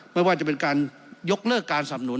ไม่ว่าจะเป็นการยกเลิกการสำนุน